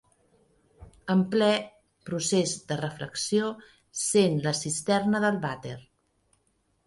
En ple procés de reflexió sent la cisterna del vàter.